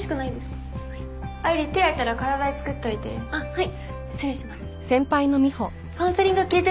はい。